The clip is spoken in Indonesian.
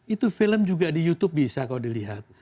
itu film juga di youtube bisa kalau dilihat